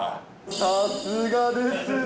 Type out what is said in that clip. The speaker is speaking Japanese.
さすがですね。